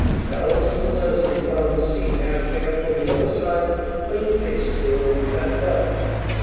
Allison and Leslie found a seat half way up on the other side from the plain faced girl, and sat down.